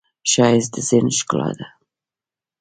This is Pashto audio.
ښایست د ذهن ښکلا ده